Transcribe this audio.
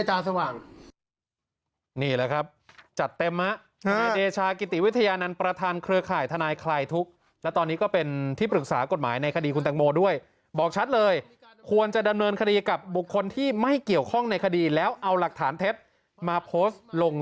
ทำอะไรเท็จเท็จตั้งหลายเนี้ยเพื่อจะได้ตาสว่าง